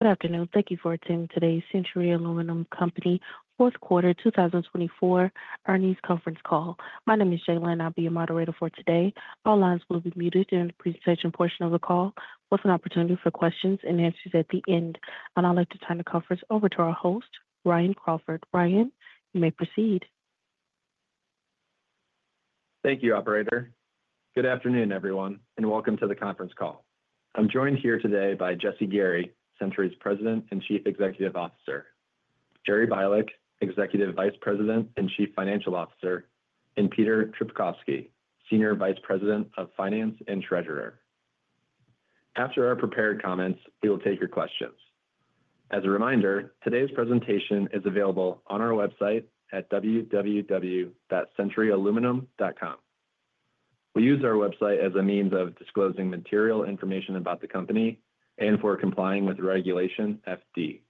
Good afternoon. Thank you for attending today's Century Aluminum Company Fourth Quarter 2024 Earnings Conference Call. My name is Jaylene. I'll be your moderator for today. All lines will be muted during the presentation portion of the call, with an opportunity for questions and answers at the end. I'd like to turn the conference over to our host, Ryan Crawford. Ryan, you may proceed. Thank you, Operator. Good afternoon, everyone, and welcome to the conference call. I'm joined here today by Jesse Gary, Century's President and Chief Executive Officer, Gerry Bialek, Executive Vice President and Chief Financial Officer, and Peter Trpkovski, Senior Vice President of Finance and Treasurer. After our prepared comments, we will take your questions. As a reminder, today's presentation is available on our website at www.centuryaluminum.com. We use our website as a means of disclosing material information about the company and for complying with Regulation FD.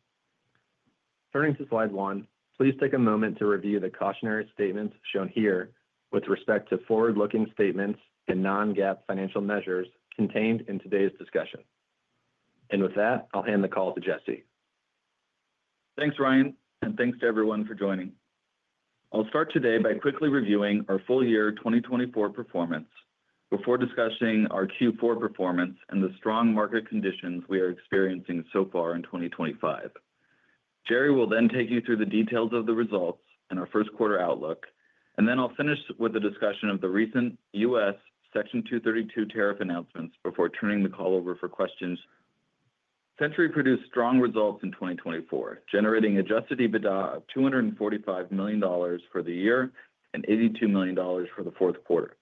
Turning to slide one, please take a moment to review the cautionary statements shown here with respect to forward-looking statements and non-GAAP financial measures contained in today's discussion and with that, I'll hand the call to Jesse. Thanks, Ryan, and thanks to everyone for joining. I'll start today by quickly reviewing our full year 2024 performance before discussing our Q4 performance and the strong market conditions we are experiencing so far in 2025. Gerry will then take you through the details of the results and our first quarter outlook, and then I'll finish with a discussion of the recent U.S. Section 232 tariff announcements before turning the call over for questions. Century produced strong results in 2024, generating Adjusted EBITDA of $245 million for the year and $82 million for the fourth quarter.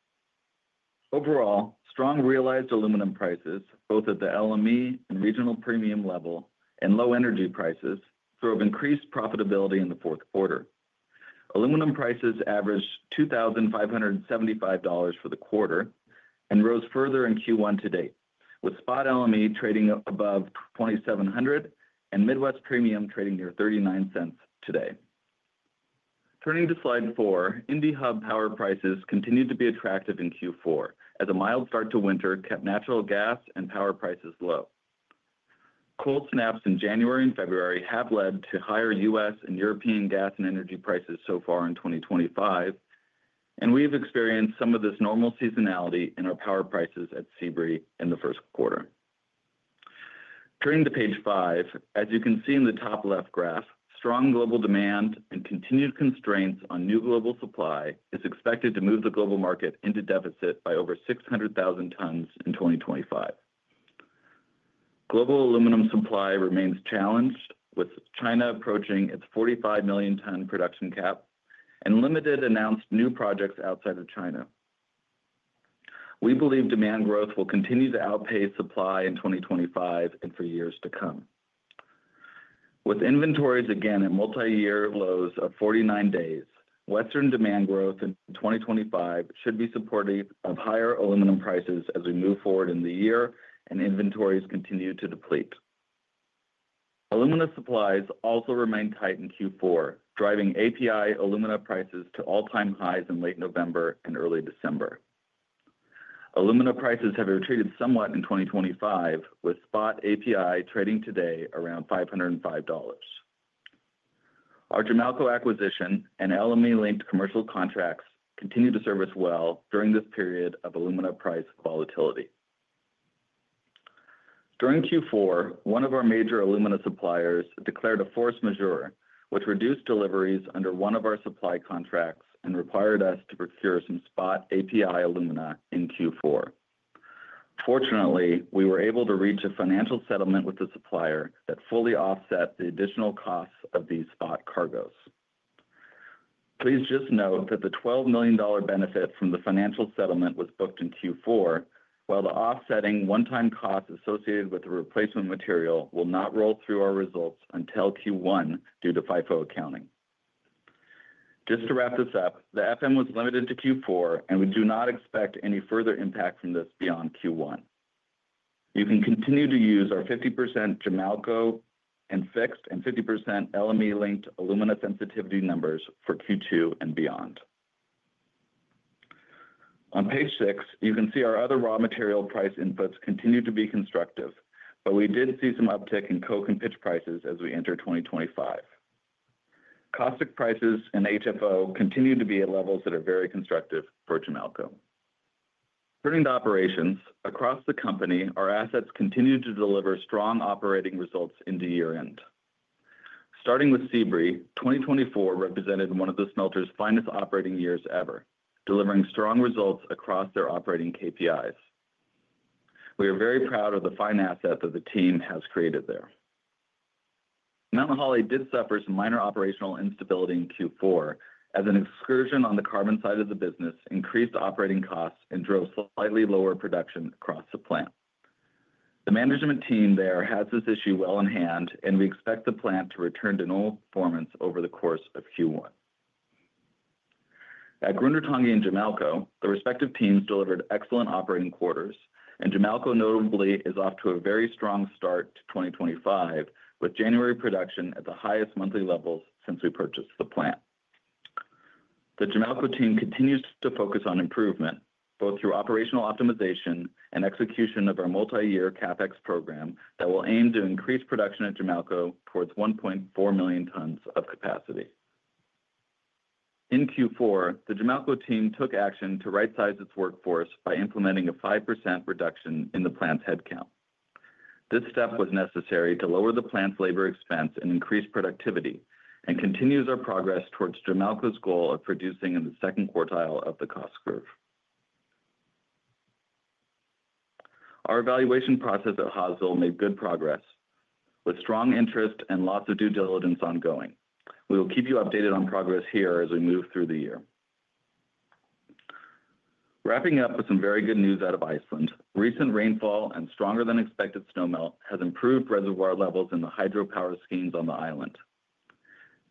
Overall, strong realized aluminum prices, both at the LME and regional premium level, and low energy prices drove increased profitability in the fourth quarter. Aluminum prices averaged $2,575 for the quarter and rose further in Q1 to date, with spot LME trading above $2,700 and Midwest Premium trading near $0.39 today. Turning to slide four, Indiana Hub power prices continued to be attractive in Q4, as a mild start to winter kept natural gas and power prices low. Cold snaps in January and February have led to higher U.S. and European gas and energy prices so far in 2025, and we have experienced some of this normal seasonality in our power prices at Sebree in the first quarter. Turning to page five, as you can see in the top left graph, strong global demand and continued constraints on new global supply are expected to move the global market into deficit by over 600,000 tons in 2025. Global aluminum supply remains challenged, with China approaching its 45 million ton production cap and limited announced new projects outside of China. We believe demand growth will continue to outpace supply in 2025 and for years to come. With inventories again at multi-year lows of 49 days, Western demand growth in 2025 should be supportive of higher aluminum prices as we move forward in the year and inventories continue to deplete. Alumina supplies also remain tight in Q4, driving API alumina prices to all-time highs in late November and early December. Alumina prices have retreated somewhat in 2025, with spot API trading today around $505. Our Jamalco acquisition and LME-linked commercial contracts continue to serve us well during this period of alumina price volatility. During Q4, one of our major alumina suppliers declared a force majeure, which reduced deliveries under one of our supply contracts and required us to procure some spot API alumina in Q4. Fortunately, we were able to reach a financial settlement with the supplier that fully offsets the additional costs of these spot cargoes. Please just note that the $12 million benefit from the financial settlement was booked in Q4, while the offsetting one-time cost associated with the replacement material will not roll through our results until Q1 due to FIFO accounting. Just to wrap this up, the FM was limited to Q4, and we do not expect any further impact from this beyond Q1. You can continue to use our 50% Jamalco and fixed and 50% LME-linked alumina sensitivity numbers for Q2 and beyond. On page six, you can see our other raw material price inputs continue to be constructive, but we did see some uptick in coke and pitch prices as we enter 2025. Caustic prices and HFO continue to be at levels that are very constructive for Jamalco. Turning to operations, across the company, our assets continue to deliver strong operating results into year-end. Starting with Sebree, 2024 represented one of the smelter's finest operating years ever, delivering strong results across their operating KPIs. We are very proud of the fine assets that the team has created there. Mt. Holly did suffer some minor operational instability in Q4, as an excursion on the carbon side of the business increased operating costs and drove slightly lower production across the plant. The management team there has this issue well in hand, and we expect the plant to return to normal performance over the course of Q1. At Grundartangi and Jamalco, the respective teams delivered excellent operating quarters, and Jamalco notably is off to a very strong start to 2025, with January production at the highest monthly levels since we purchased the plant. The Jamalco team continues to focus on improvement, both through operational optimization and execution of our multi-year CapEx program that will aim to increase production at Jamalco towards 1.4 million tons of capacity. In Q4, the Jamalco team took action to right-size its workforce by implementing a 5% reduction in the plant's headcount. This step was necessary to lower the plant's labor expense and increase productivity, and continues our progress towards Jamalco's goal of producing in the second quartile of the cost curve. Our evaluation process at Hawesville made good progress, with strong interest and lots of due diligence ongoing. We will keep you updated on progress here as we move through the year. Wrapping up with some very good news out of Iceland, recent rainfall and stronger-than-expected snowmelt has improved reservoir levels in the hydropower schemes on the island.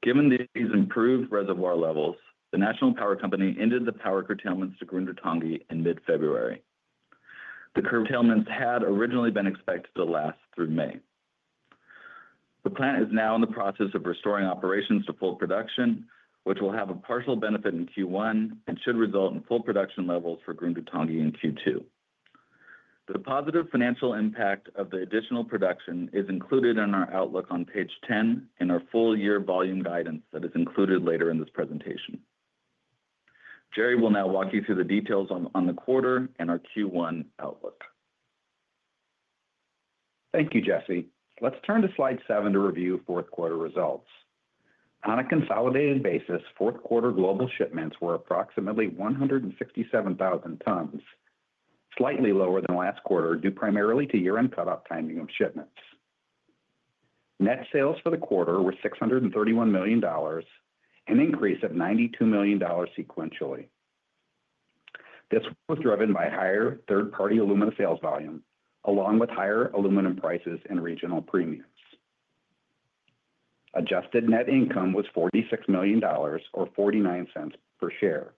Given these improved reservoir levels, the National Power Company ended the power curtailments to Grundartangi in mid-February. The curtailments had originally been expected to last through May. The plant is now in the process of restoring operations to full production, which will have a partial benefit in Q1 and should result in full production levels for Grundartangi in Q2. The positive financial impact of the additional production is included in our outlook on page 10 in our full year volume guidance that is included later in this presentation. Gerry will now walk you through the details on the quarter and our Q1 outlook. Thank you, Jesse. Let's turn to slide seven to review fourth quarter results. On a consolidated basis, fourth quarter global shipments were approximately 167,000 tons, slightly lower than last quarter due primarily to year-end cut-off timing of shipments. Net sales for the quarter were $631 million, an increase of $92 million sequentially. This was driven by higher third-party alumina sales volume, along with higher aluminum prices and regional premiums. Adjusted Net income was $46 million, or $0.49 per share.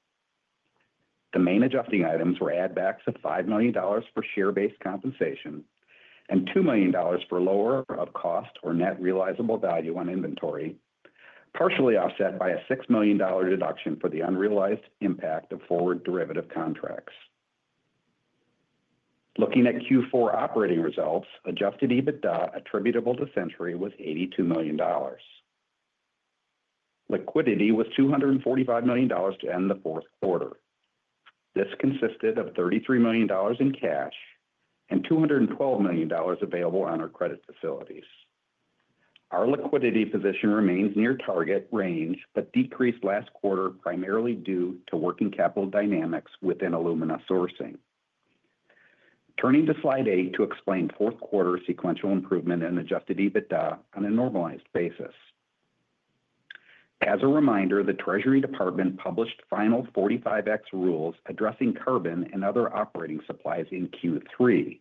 The main adjusting items were add-backs of $5 million for share-based compensation and $2 million for lower of cost or net realizable value on inventory, partially offset by a $6 million deduction for the unrealized impact of forward derivative contracts. Looking at Q4 operating results, adjusted EBITDA attributable to Century was $82 million. Liquidity was $245 million to end the fourth quarter. This consisted of $33 million in cash and $212 million available on our credit facilities. Our liquidity position remains near target range, but decreased last quarter primarily due to working capital dynamics within alumina sourcing. Turning to slide eight to explain fourth quarter sequential improvement in Adjusted EBITDA on a normalized basis. As a reminder, the Treasury Department published final 45X rules addressing carbon and other operating supplies in Q3.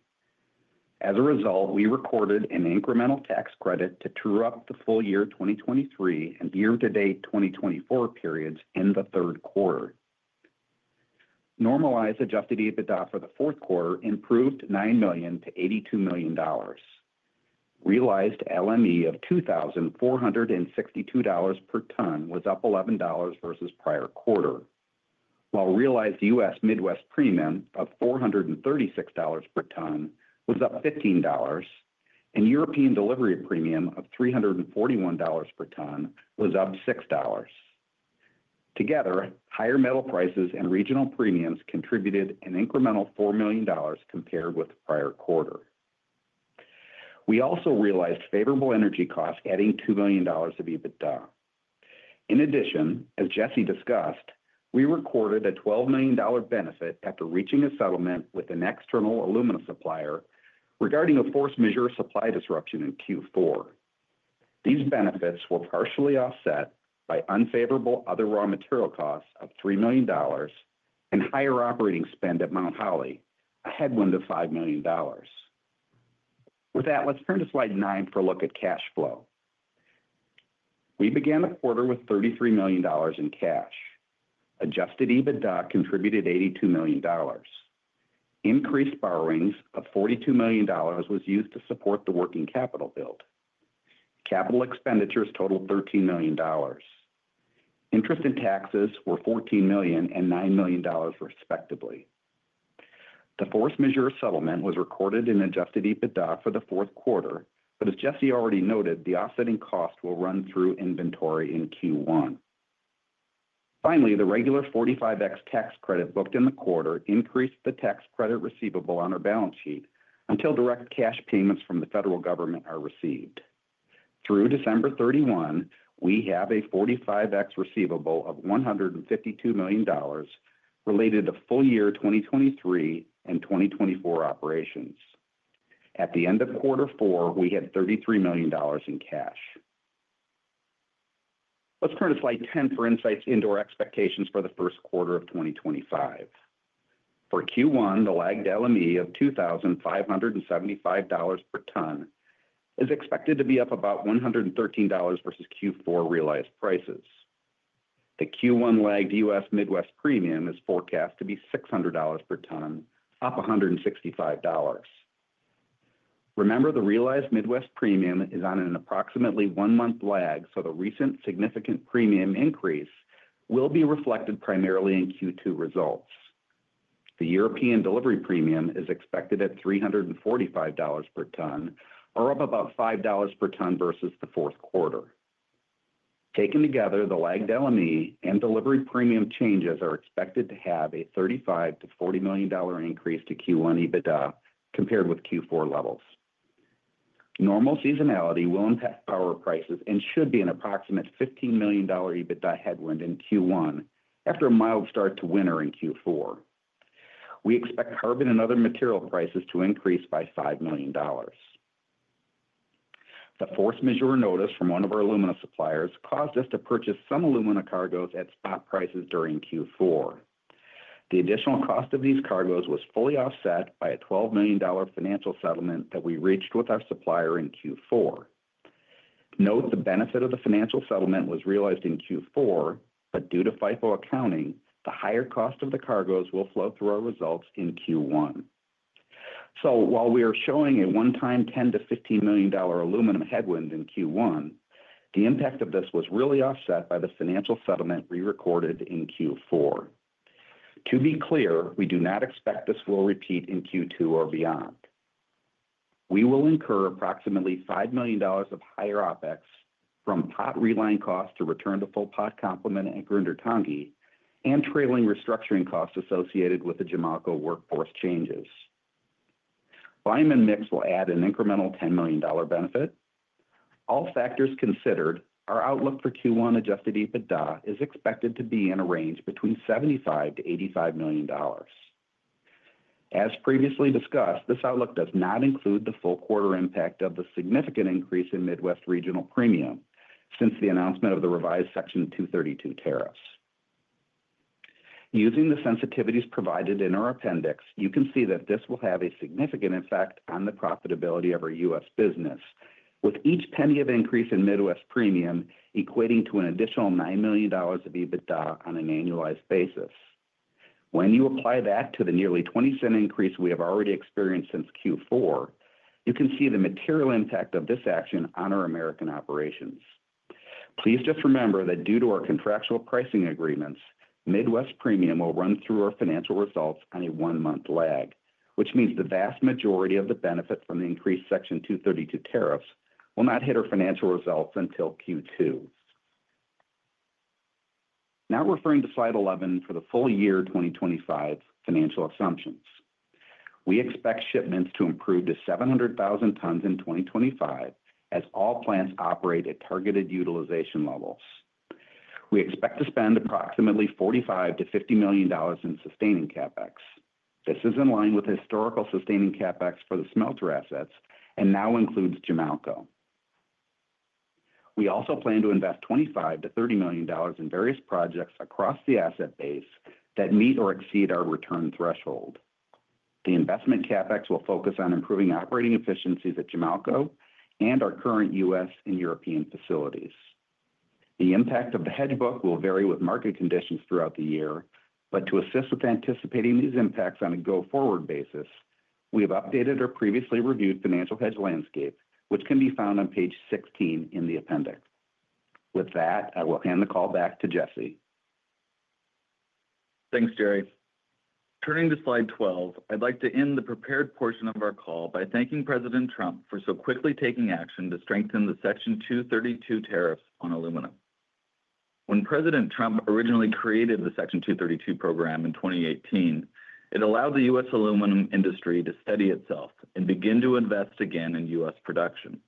As a result, we recorded an incremental tax credit to true up the full year 2023 and year-to-date 2024 periods in the third quarter. Normalized Adjusted EBITDA for the fourth quarter improved $9 million to $82 million. Realized LME of $2,462 per ton was up $11 versus prior quarter, while realized U.S. Midwest Premium of $436 per ton was up $15, and European delivery premium of $341 per ton was up $6. Together, higher metal prices and regional premiums contributed an incremental $4 million compared with prior quarter. We also realized favorable energy costs, adding $2 million of EBITDA. In addition, as Jesse discussed, we recorded a $12 million benefit after reaching a settlement with an external alumina supplier regarding a force majeure supply disruption in Q4. These benefits were partially offset by unfavorable other raw material costs of $3 million and higher operating spend at Mt. Holly, a headwind of $5 million. With that, let's turn to slide nine for a look at cash flow. We began the quarter with $33 million in cash. Adjusted EBITDA contributed $82 million. Increased borrowings of $42 million was used to support the working capital build. Capital expenditures totaled $13 million. Interest and taxes were $14 million and $9 million, respectively. The force majeure settlement was recorded in Adjusted EBITDA for the fourth quarter, but as Jesse already noted, the offsetting cost will run through inventory in Q1. Finally, the regular 45X tax credit booked in the quarter increased the tax credit receivable on our balance sheet until direct cash payments from the federal government are received. Through December 31, we have a 45X receivable of $152 million related to full year 2023 and 2024 operations. At the end of quarter four, we had $33 million in cash. Let's turn to slide 10 for insights into our expectations for the first quarter of 2025. For Q1, the lagged LME of $2,575 per ton is expected to be up about $113 versus Q4 realized prices. The Q1 lagged U.S. Midwest Premium is forecast to be $600 per ton, up $165. Remember, the realized Midwest Premium is on an approximately one-month lag, so the recent significant premium increase will be reflected primarily in Q2 results. The European delivery premium is expected at $345 per ton, or up about $5 per ton versus the fourth quarter. Taken together, the lagged LME and delivery premium changes are expected to have a $35-$40 million increase to Q1 EBITDA compared with Q4 levels. Normal seasonality will impact power prices and should be an approximate $15 million EBITDA headwind in Q1 after a mild start to winter in Q4. We expect carbon and other material prices to increase by $5 million. The Force majeure notice from one of our alumina suppliers caused us to purchase some alumina cargoes at spot prices during Q4. The additional cost of these cargoes was fully offset by a $12 million financial settlement that we reached with our supplier in Q4. Note the benefit of the financial settlement was realized in Q4, but due to FIFO accounting, the higher cost of the cargoes will flow through our results in Q1. So while we are showing a one-time $10 million-$15 million aluminum headwind in Q1, the impact of this was really offset by the financial settlement we recorded in Q4. To be clear, we do not expect this will repeat in Q2 or beyond. We will incur approximately $5 million of higher OpEx from pot reline costs to return to full pot complement at Grundartangi and trailing restructuring costs associated with the Jamalco workforce changes. Billet mix will add an incremental $10 million benefit. All factors considered, our outlook for Q1 adjusted EBITDA is expected to be in a range between $75 million-$85 million. As previously discussed, this outlook does not include the full quarter impact of the significant increase in Midwest regional premium since the announcement of the revised Section 232 tariffs. Using the sensitivities provided in our appendix, you can see that this will have a significant effect on the profitability of our U.S. business, with each $0.01 increase in Midwest Premium equating to an additional $9 million of EBITDA on an annualized basis. When you apply that to the nearly $0.20 increase we have already experienced since Q4, you can see the material impact of this action on our American operations. Please just remember that due to our contractual pricing agreements, Midwest Premium will run through our financial results on a one-month lag, which means the vast majority of the benefit from the increased Section 232 tariffs will not hit our financial results until Q2. Now referring to slide 11 for the full year 2025 financial assumptions, we expect shipments to improve to 700,000 tons in 2025 as all plants operate at targeted utilization levels. We expect to spend approximately $45-$50 million in sustaining CapEx. This is in line with historical sustaining CapEx for the smelter assets and now includes Jamalco. We also plan to invest $25-$30 million in various projects across the asset base that meet or exceed our return threshold. The investment CapEx will focus on improving operating efficiencies at Jamalco and our current U.S. and European facilities. The impact of the hedge book will vary with market conditions throughout the year, but to assist with anticipating these impacts on a go-forward basis, we have updated our previously reviewed financial hedge landscape, which can be found on page 16 in the appendix. With that, I will hand the call back to Jesse. Thanks, Gerry. Turning to slide 12, I'd like to end the prepared portion of our call by thanking President Trump for so quickly taking action to strengthen the Section 232 tariffs on alumina. When President Trump originally created the Section 232 program in 2018, it allowed the U.S. aluminum industry to steady itself and begin to invest again in U.S. production.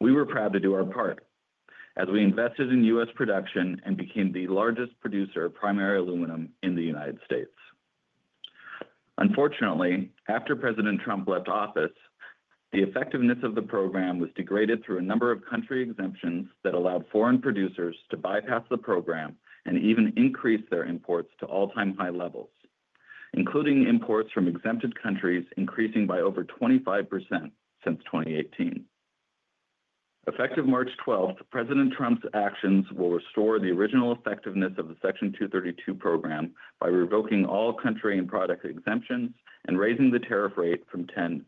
We were proud to do our part as we invested in U.S. production and became the largest producer of primary aluminum in the United States. Unfortunately, after President Trump left office, the effectiveness of the program was degraded through a number of country exemptions that allowed foreign producers to bypass the program and even increase their imports to all-time high levels, including imports from exempted countries increasing by over 25% since 2018. Effective March 12, President Trump's actions will restore the original effectiveness of the Section 232 program by revoking all country and product exemptions and raising the tariff rate from 10%-25%.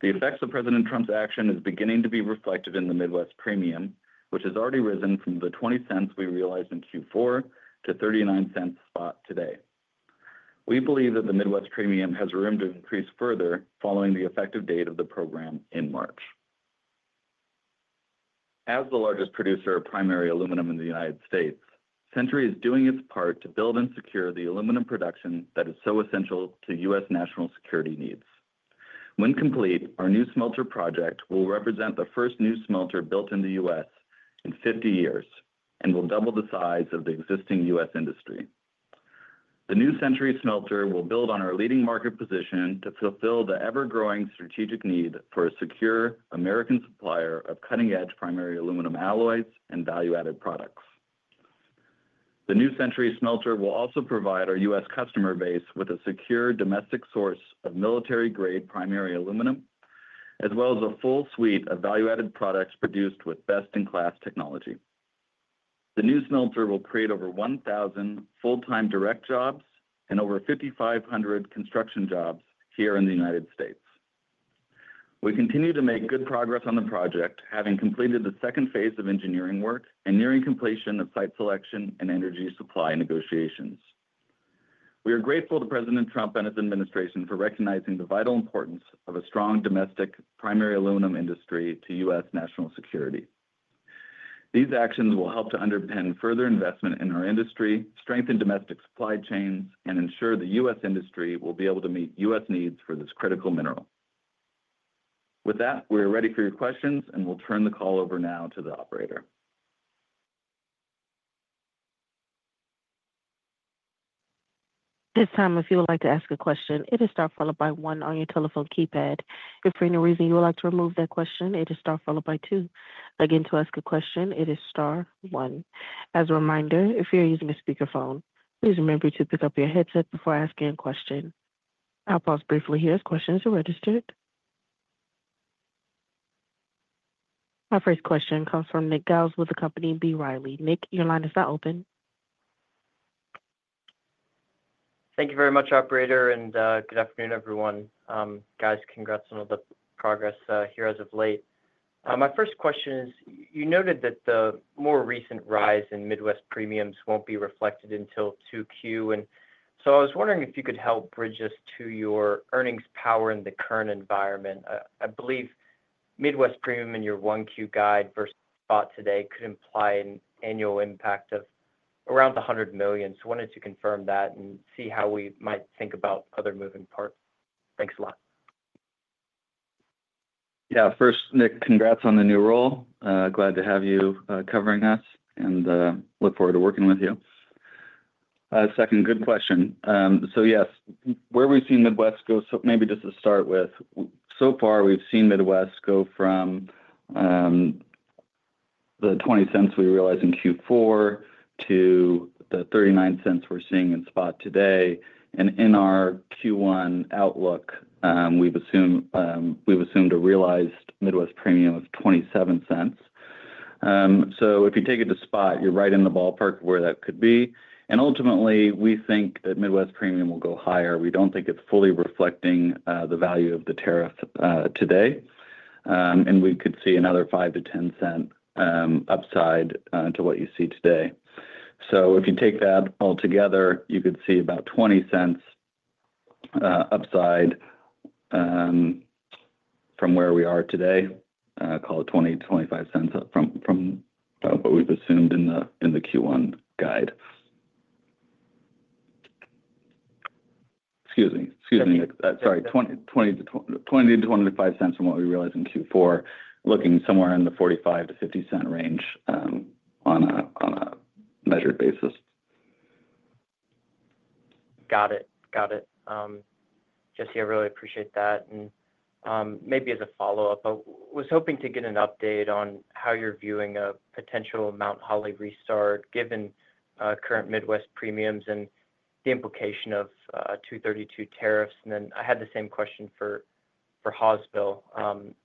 The effects of President Trump's action are beginning to be reflected in the Midwest Premium, which has already risen from the $0.20 we realized in Q4 to $0.39 spot today. We believe that the Midwest Premium has room to increase further following the effective date of the program in March. As the largest producer of primary aluminum in the United States, Century is doing its part to build and secure the aluminum production that is so essential to U.S. national security needs. When complete, our new smelter project will represent the first new smelter built in the U.S. in 50 years and will double the size of the existing U.S. industry. The new Century smelter will build on our leading market position to fulfill the ever-growing strategic need for a secure American supplier of cutting-edge primary aluminum alloys and value-added products. The new Century smelter will also provide our U.S. customer base with a secure domestic source of military-grade primary aluminum, as well as a full suite of value-added products produced with best-in-class technology. The new smelter will create over 1,000 full-time direct jobs and over 5,500 construction jobs here in the United States. We continue to make good progress on the project, having completed the second phase of engineering work and nearing completion of site selection and energy supply negotiations. We are grateful to President Trump and his administration for recognizing the vital importance of a strong domestic primary aluminum industry to U.S. national security. These actions will help to underpin further investment in our industry, strengthen domestic supply chains, and ensure the U.S. industry will be able to meet U.S. needs for this critical mineral. With that, we are ready for your questions, and we'll turn the call over now to the operator. This time, if you would like to ask a question, it is star followed by one on your telephone keypad. If for any reason you would like to remove that question, it is star followed by two. Again, to ask a question, it is star one. As a reminder, if you're using a speakerphone, please remember to pick up your headset before asking a question. I'll pause briefly here as questions are registered. Our first question comes from Nick Giles with the company B. Riley. Nick, your line is now open. Thank you very much, operator, and good afternoon, everyone. Guys, congrats on all the progress here as of late. My first question is, you noted that the more recent rise in Midwest Premiums won't be reflected until 2Q, and so I was wondering if you could help bridge us to your earnings power in the current environment. I believe Midwest Premium in your 1Q guide versus spot today could imply an annual impact of around $100 million. So I wanted to confirm that and see how we might think about other moving parts. Thanks a lot. Yeah, first, Nick, congrats on the new role. Glad to have you covering us and look forward to working with you. Second, good question. So yes, where we've seen Midwest go, so maybe just to start with, so far we've seen Midwest go from the $0.20 we realized in Q4 to the $0.39 we're seeing in spot today. And in our Q1 outlook, we've assumed a realized Midwest Premium of $0.27. So if you take it to spot, you're right in the ballpark of where that could be. And ultimately, we think that Midwest Premium will go higher. We don't think it's fully reflecting the value of the tariff today, and we could see another $0.05-$0.10 upside to what you see today. So if you take that altogether, you could see about $0.20 upside from where we are today, call it $0.20-$0.25 from what we've assumed in the Q1 guide. Excuse me. Excuse me. Sorry. $0.20-$0.25 from what we realized in Q4, looking somewhere in the $0.45-$0.50 range on a measured basis. Got it. Got it. Jesse, I really appreciate that. And maybe as a follow-up, I was hoping to get an update on how you're viewing a potential Mt. Holly restart given current Midwest Premium and the implication of Section 232 tariffs. And then I had the same question for Hawesville.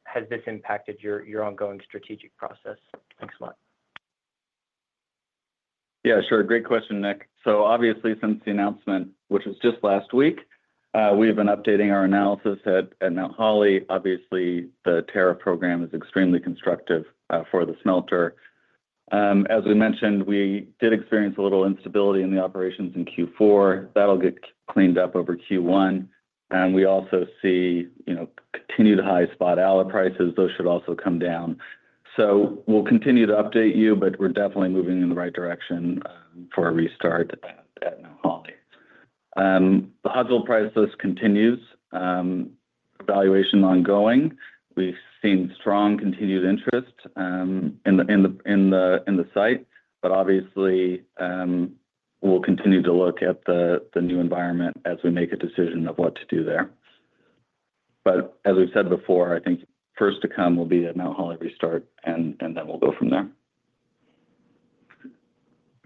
Has this impacted your ongoing strategic process? Thanks a lot. Yeah, sure. Great question, Nick. So obviously, since the announcement, which was just last week, we have been updating our analysis at Mt. Holly. Obviously, the tariff program is extremely constructive for the smelter. As we mentioned, we did experience a little instability in the operations in Q4. That'll get cleaned up over Q1. And we also see continued high spot alloy prices. Those should also come down. So we'll continue to update you, but we're definitely moving in the right direction for a restart at Mt. Holly. The Hawesville restart continues. Evaluation ongoing. We've seen strong continued interest in the site, but obviously, we'll continue to look at the new environment as we make a decision of what to do there. But as we've said before, I think first to come will be a Mt. Holly restart, and then we'll go from there.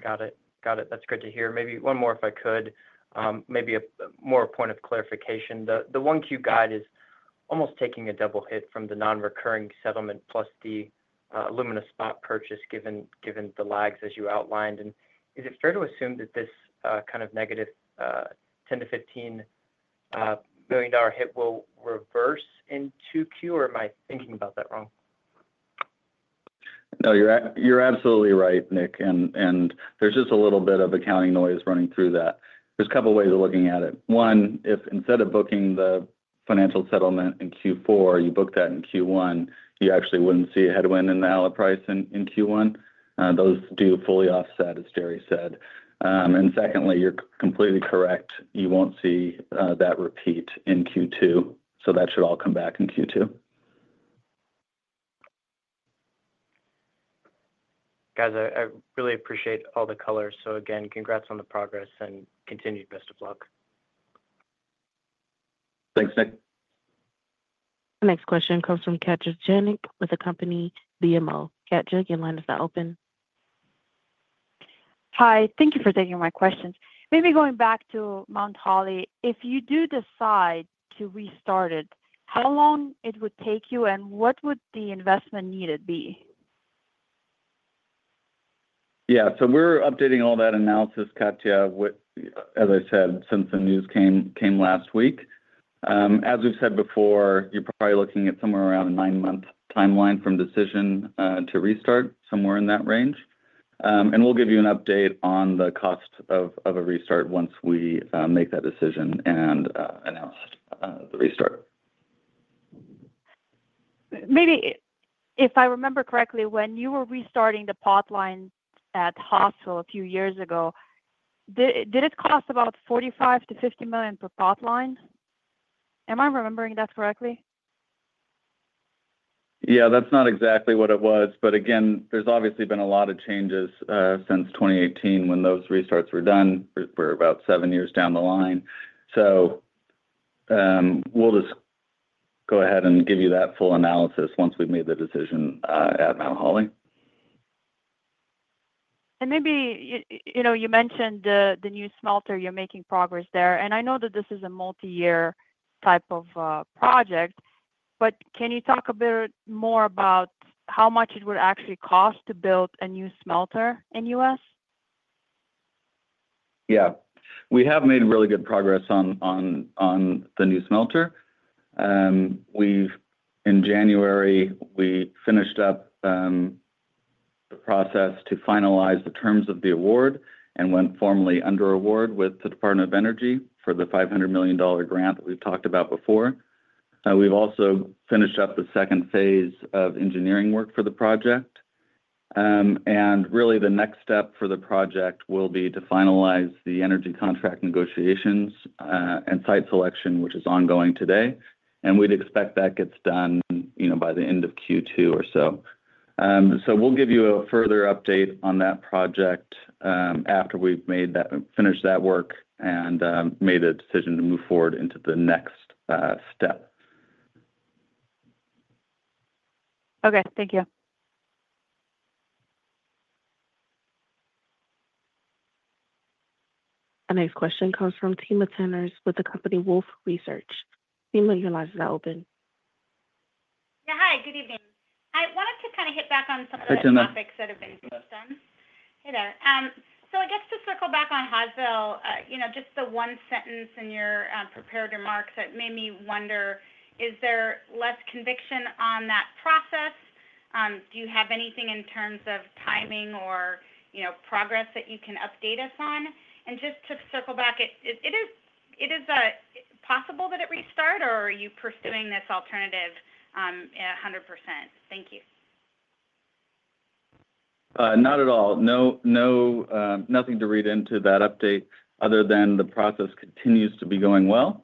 Got it. Got it. That's good to hear. Maybe one more, if I could, maybe more a point of clarification. The 1Q guide is almost taking a double hit from the non-recurring settlement plus the alumina spot purchase given the lags, as you outlined, and is it fair to assume that this kind of negative $10 million-$15 million hit will reverse in 2Q, or am I thinking about that wrong? No, you're absolutely right, Nick. And there's just a little bit of accounting noise running through that. There's a couple of ways of looking at it. One, if instead of booking the financial settlement in Q4, you book that in Q1, you actually wouldn't see a headwind in the alloy price in Q1. Those do fully offset, as Gerry said. And secondly, you're completely correct. You won't see that repeat in Q2. So that should all come back in Q2. Guys, I really appreciate all the colors. So, again, congrats on the progress and continued best of luck. Thanks, Nick. The next question comes from Katja Jancic with the company BMO. Katja Jancic, your line is now open. Hi. Thank you for taking my questions. Maybe going back to Mt. Holly, if you do decide to restart it, how long it would take you and what would the investment needed be? Yeah. So we're updating all that analysis, Katja, as I said, since the news came last week. As we've said before, you're probably looking at somewhere around a nine-month timeline from decision to restart, somewhere in that range, and we'll give you an update on the cost of a restart once we make that decision and announce the restart. Maybe, if I remember correctly, when you were restarting the pipeline at Hawesville a few years ago, did it cost about $45-$50 million per pipeline? Am I remembering that correctly? Yeah, that's not exactly what it was. But again, there's obviously been a lot of changes since 2018 when those restarts were done. We're about seven years down the line. So we'll just go ahead and give you that full analysis once we've made the decision at Mt. Holly. Maybe you mentioned the new smelter, you're making progress there. I know that this is a multi-year type of project, but can you talk a bit more about how much it would actually cost to build a new smelter in the U.S.? Yeah. We have made really good progress on the new smelter. In January, we finished up the process to finalize the terms of the award and went formally under award with the Department of Energy for the $500 million grant that we've talked about before. We've also finished up the second phase of engineering work for the project. And really, the next step for the project will be to finalize the energy contract negotiations and site selection, which is ongoing today. And we'd expect that gets done by the end of Q2 or so. So we'll give you a further update on that project after we've finished that work and made a decision to move forward into the next step. Okay. Thank you. The next question comes from Timna Tanners with the company Wolfe Research. Timna, your line is now open. Yeah. Hi. Good evening. I wanted to kind of hit back on some of the topics that have been discussed. Hey there. So I guess to circle back on Hawesville, just the one sentence in your prepared remarks that made me wonder, is there less conviction on that process? Do you have anything in terms of timing or progress that you can update us on? And just to circle back, it is possible that it restart, or are you pursuing this alternative 100%? Thank you. Not at all. Nothing to read into that update other than the process continues to be going well.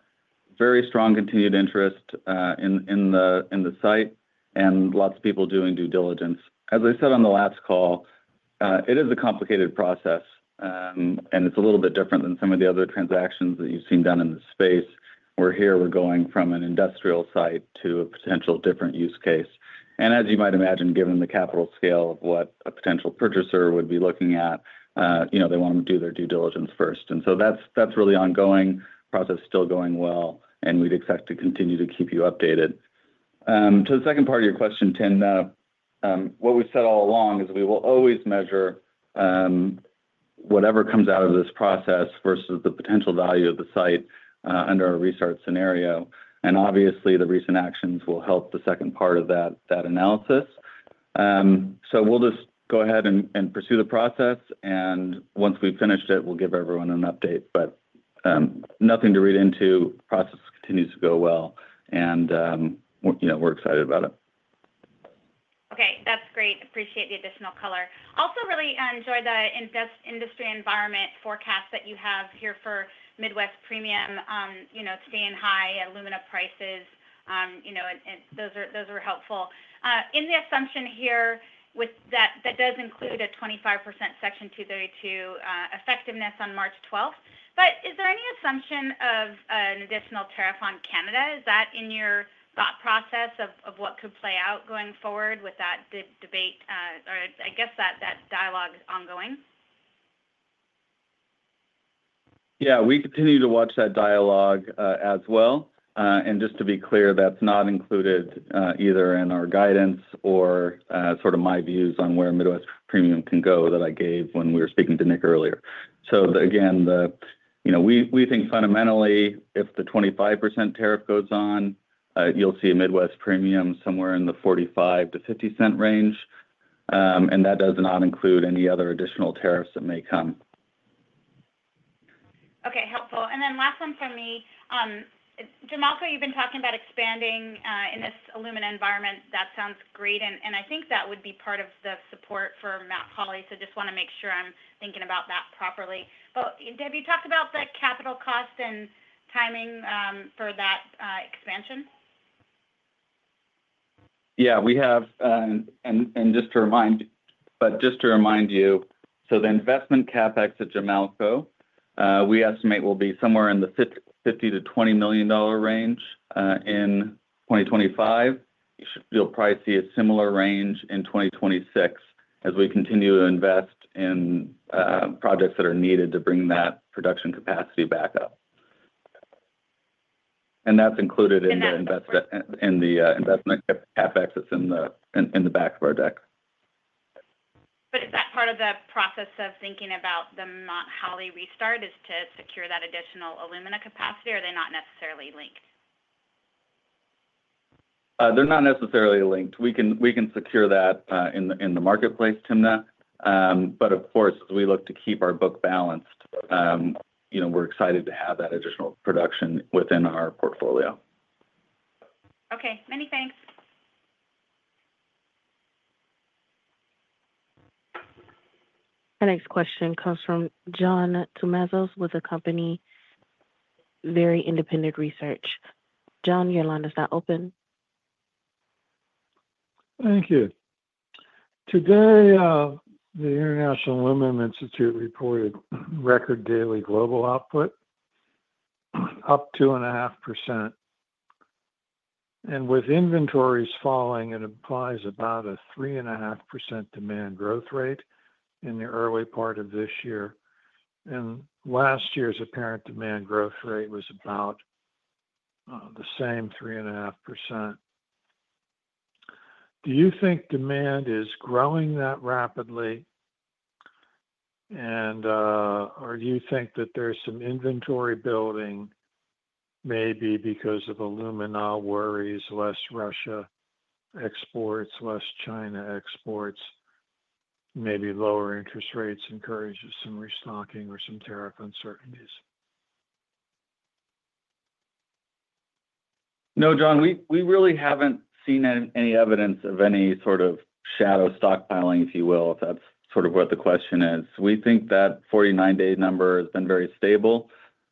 Very strong continued interest in the site and lots of people doing due diligence. As I said on the last call, it is a complicated process, and it's a little bit different than some of the other transactions that you've seen done in the space. Where here, we're going from an industrial site to a potential different use case. And as you might imagine, given the capital scale of what a potential purchaser would be looking at, they want them to do their due diligence first. And so that's really ongoing. The process is still going well, and we'd expect to continue to keep you updated. To the second part of your question, Timna, what we've said all along is we will always measure whatever comes out of this process versus the potential value of the site under a restart scenario. And obviously, the recent actions will help the second part of that analysis. So we'll just go ahead and pursue the process. And once we've finished it, we'll give everyone an update. But nothing to read into. The process continues to go well, and we're excited about it. Okay. That's great. Appreciate the additional color. Also really enjoy the industry environment forecast that you have here for Midwest Premium, staying high alumina prices. Those are helpful. In the assumption here, that does include a 25% Section 232 effectiveness on March 12th. But is there any assumption of an additional tariff on Canada? Is that in your thought process of what could play out going forward with that debate, or I guess that dialogue is ongoing? Yeah. We continue to watch that dialogue as well. And just to be clear, that's not included either in our guidance or sort of my views on where Midwest Premium can go that I gave when we were speaking to Nick earlier. So again, we think fundamentally, if the 25% tariff goes on, you'll see a Midwest Premium somewhere in the $0.45-$0.50 range. And that does not include any other additional tariffs that may come. Okay. Helpful. And then last one from me. Jamalco, you've been talking about expanding in this alumina environment. That sounds great. And I think that would be part of the support for Mt. Holly. So just want to make sure I'm thinking about that properly. But have you talked about the capital cost and timing for that expansion? Yeah. And just to remind you, so the investment CapEx at Jamalco, we estimate will be somewhere in the $50-$20 million range in 2025. You'll probably see a similar range in 2026 as we continue to invest in projects that are needed to bring that production capacity back up. And that's included in the investment CapEx that's in the back of our deck. But is that part of the process of thinking about the Mt. Holly restart is to secure that additional alumina capacity, or are they not necessarily linked? They're not necessarily linked. We can secure that in the marketplace, Timna. But of course, as we look to keep our book balanced, we're excited to have that additional production within our portfolio. Okay. Many thanks. The next question comes from John Tumazos with the company Very Independent Research. John, your line is now open. Thank you. Today, the International Aluminum Institute reported record daily global output up 2.5%. With inventories falling, it implies about a 3.5% demand growth rate in the early part of this year. Last year's apparent demand growth rate was about the same 3.5%. Do you think demand is growing that rapidly, and do you think that there's some inventory building, maybe because of alumina worries, less Russian exports, less Chinese exports, maybe lower interest rates encourage some restocking or some tariff uncertainties? No, John. We really haven't seen any evidence of any sort of shadow stockpiling, if you will, if that's sort of what the question is. We think that 49 day number has been very stable,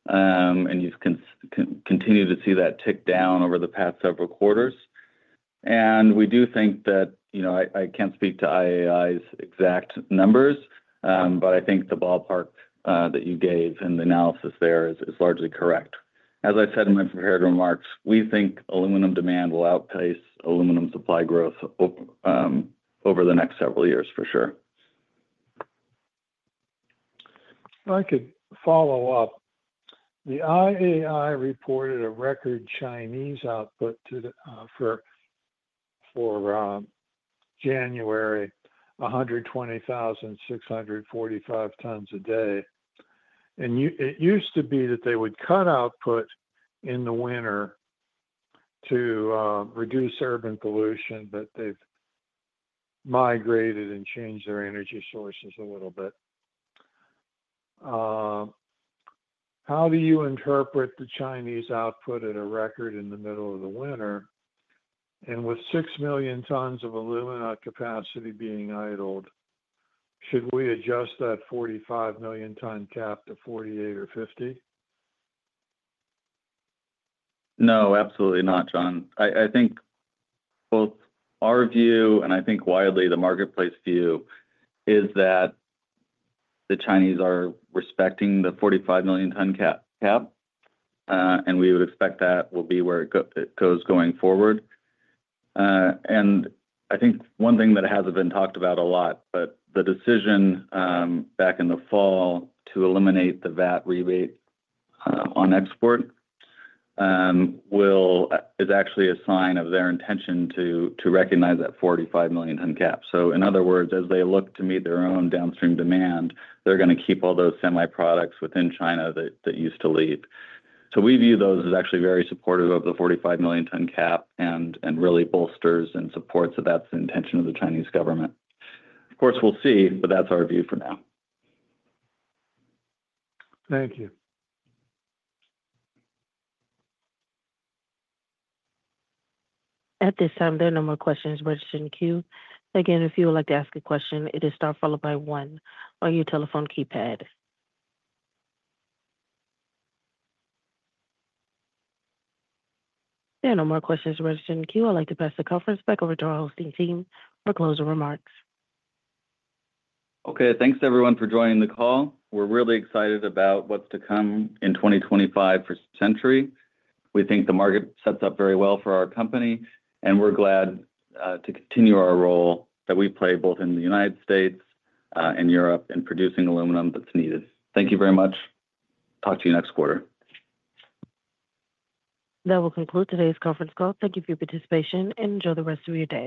and you've continued to see that tick down over the past several quarters, and we do think that I can't speak to IAI's exact numbers, but I think the ballpark that you gave and the analysis there is largely correct. As I said in my prepared remarks, we think aluminum demand will outpace aluminum supply growth over the next several years, for sure. I could follow up. The IAI reported a record Chinese output for January, 120,645 tons a day. It used to be that they would cut output in the winter to reduce urban pollution, but they've migrated and changed their energy sources a little bit. How do you interpret the Chinese output at a record in the middle of the winter? And with 6 million tons of alumina capacity being idled, should we adjust that 45 million-ton cap to 48 or 50? No, absolutely not, John. I think both our view and I think widely the marketplace view is that the Chinese are respecting the 45 million-ton cap, and we would expect that will be where it goes going forward, and I think one thing that hasn't been talked about a lot, but the decision back in the fall to eliminate the VAT rebate on export is actually a sign of their intention to recognize that 45 million-ton cap. So in other words, as they look to meet their own downstream demand, they're going to keep all those semi-products within China that used to lead, so we view those as actually very supportive of the 45 million-ton cap and really bolsters and supports that that's the intention of the Chinese government. Of course, we'll see, but that's our view for now. Thank you. At this time, there are no more questions registered in queue. Again, if you would like to ask a question, it is star followed by one on your telephone keypad. There are no more questions registered in queue. I'd like to pass the conference back over to our hosting team for closing remarks. Okay. Thanks, everyone, for joining the call. We're really excited about what's to come in 2025 for Century. We think the market sets up very well for our company, and we're glad to continue our role that we play both in the United States and Europe in producing aluminum that's needed. Thank you very much. Talk to you next quarter. That will conclude today's conference call. Thank you for your participation and enjoy the rest of your day.